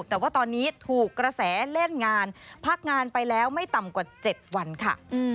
แต่ว่าตอนนี้ถูกกระแสเล่นงานพักงานไปแล้วไม่ต่ำกว่า๗วันค่ะ